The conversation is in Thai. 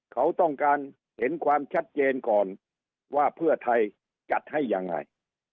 เขาต้องการเห็นความชัดเจนก่อนว่าเพื่อไทยจัดให้ยังไง